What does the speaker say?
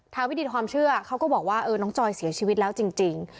วิธีความเชื่อเขาก็บอกว่าน้องจอยเสียชีวิตแล้วจริง